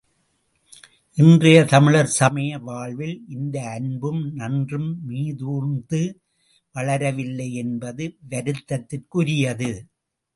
இன்றைய தமிழர் சமய வாழ்வில் இந்த அன்பும், நன்றும் மீதுர்ந்து வளரவில்லை என்பது வருத்தத்திற்குரியது.